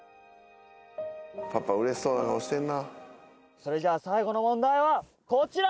それじゃあ最後の問題はこちら！